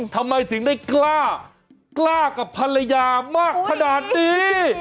ทำไมถึงได้กล้ากล้ากับภรรยามากขนาดนี้